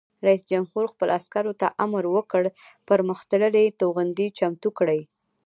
رئیس جمهور خپلو عسکرو ته امر وکړ؛ پرمختللي توغندي چمتو کړئ!